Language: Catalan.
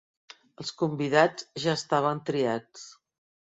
Els convidats ja estaven triats.